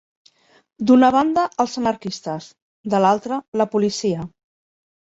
D'una banda, els anarquistes; de l'altra, la policia